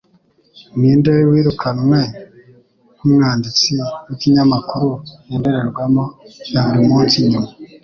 Ninde wirukanwe nk'umwanditsi w'ikinyamakuru Indorerwamo ya buri munsi nyuma